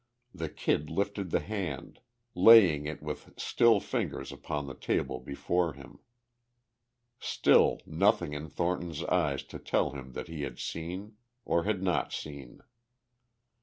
The Kid lifted the hand, laying it with still fingers upon the table before him. Still nothing in Thornton's eyes to tell that he had seen or had not seen.